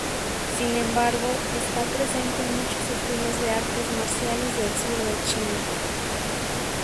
Sin embargo, está presente en muchos estilos de artes marciales del sur de China.